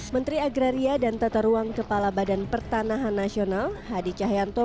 menteri agraria dan tata ruang kepala badan pertanahan nasional hadi cahyanto